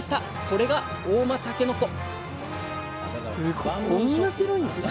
これが合馬たけのこ！